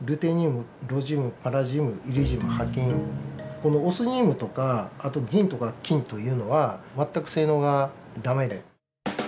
このオスミウムとかあと銀とか金というのは全く性能が駄目で。